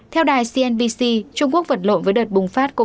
theo đài cnbc trung quốc vật lộn với đợt bùng phát mới